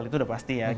itu udah pasti ya